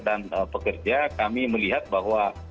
dan pekerja kami melihat bahwa